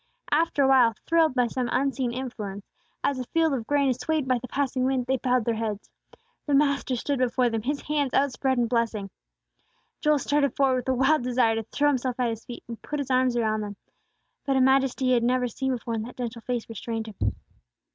After awhile, thrilled by some unseen influence, as a field of grain is swayed by the passing wind, they bowed their heads. The Master stood before them, His hands outspread in blessing. Joel started forward with a wild desire to throw himself at His feet, and put his arms around them; but a majesty he had never seen before in that gentle face restrained him.